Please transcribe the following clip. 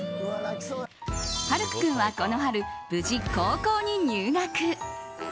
晴空君はこの春無事、高校に入学。